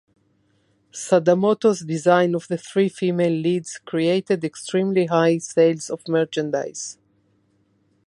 Sadamoto's design of the three female leads created extremely high sales of merchandise.